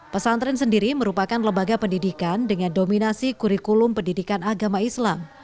pesantren sendiri merupakan lembaga pendidikan dengan dominasi kurikulum pendidikan agama islam